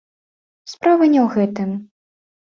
Справа не ў гэтым.